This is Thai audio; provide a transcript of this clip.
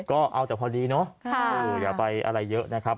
ก็เอาแต่พอดีเนาะอย่าไปอะไรเยอะนะครับ